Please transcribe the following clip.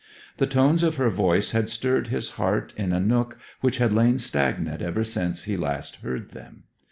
The tones of her voice had stirred his heart in a nook which had lain stagnant ever since he last heard them.